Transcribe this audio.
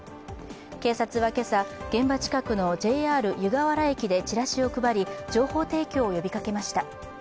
警察は今朝、現場近くのＪＲ湯河原駅でチラシを配り、情報提供を呼びかけました。